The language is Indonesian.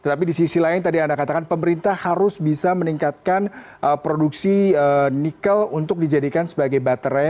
tapi di sisi lain tadi anda katakan pemerintah harus bisa meningkatkan produksi nikel untuk dijadikan sebagai baterai